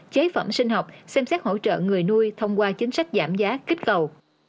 chế phẩm sinh học xem xét hỗ trợ người nuôi thông qua chính sách giảm giá kích cầu